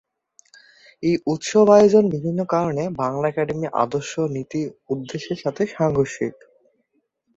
এই উৎসব আয়োজন বিভিন্ন কারণে বাংলা একাডেমির আদর্শ-নীতি-উদেশ্যের সাথে সাংঘর্ষিক।